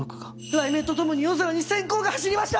雷鳴とともに夜空に閃光が走りました！